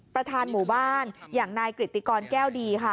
ประธานหมู่บ้านอย่างนายกริติกรแก้วดีค่ะ